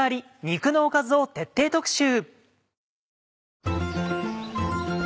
肉のおかず」を徹底特集！